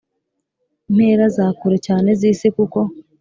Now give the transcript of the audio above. mpera za kure cyane z isi kuko